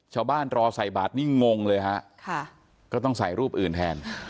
ชาวบ้านรอใส่บาศนี้งงเลยฮะก็ต้องใส่รูปอื่นแทน